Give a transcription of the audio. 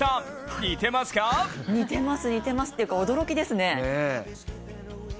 似てますっていうか驚きですね。